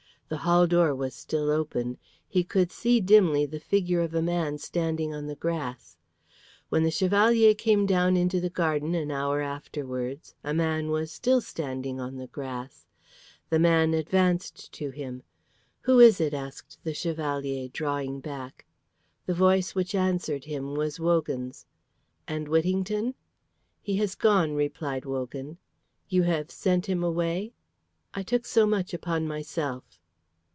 The hall door was still open. He could see dimly the figure of a man standing on the grass. When the Chevalier came down into the garden an hour afterwards, a man was still standing on the grass. The man advanced to him. "Who is it?" asked the Chevalier, drawing back. The voice which answered him was Wogan's. "And Whittington?" "He has gone," replied Wogan. "You have sent him away?" "I took so much upon myself."